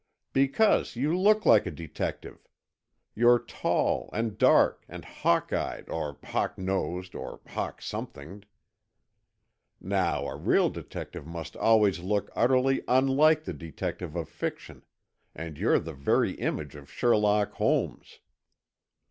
"Because you look like a detective. You're tall, and dark and hawk eyed or hawk nosed, or hawk somethinged. Now, a real detective must always look utterly unlike the detective of fiction, and you're the very image of Sherlock Holmes."